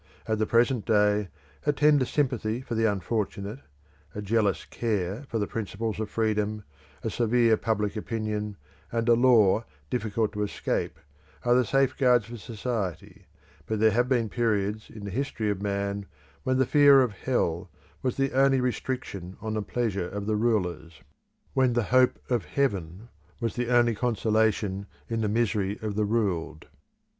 At the present day a tender sympathy for the unfortunate, a jealous care for the principles of freedom, a severe public opinion, and a law difficult to escape are the safeguards of society but there have been periods in the history of man when the fear of hell was the only restriction on the pleasure of the rulers; when the hope of heaven was the only consolation in the misery of the ruled.